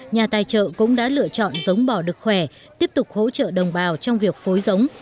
nhà tài trợ cũng đã lựa chọn giống bò được khỏe tiếp tục hỗ trợ đồng bào trong việc phối giống